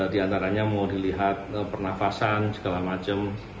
di antaranya mau dilihat pernafasan segala macam